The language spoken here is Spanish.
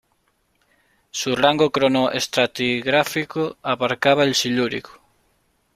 Su rango cronoestratigráfico abarcaba el Silúrico.